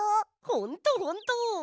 ほんとほんと！